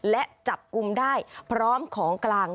และจับกลุ่มได้พร้อมของกลาง